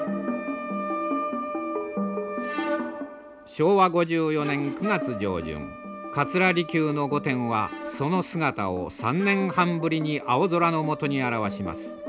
昭和５４年９月上旬桂離宮の御殿はその姿を３年半ぶりに青空の下にあらわします。